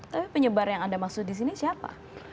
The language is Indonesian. tapi penyebar yang anda maksud disini siapa